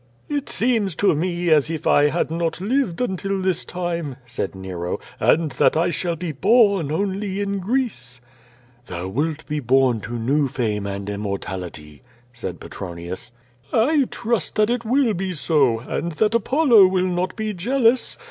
"It seems to me as if I had not lived until this time," said Nero, "and that I shall be bom only in Greece." "Thou wilt be bom to new fame and immortality," said Petronius. "I tmst that it will be so, and that Apollo will not be jealous.